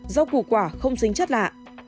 rau củ quả không dính chất lạ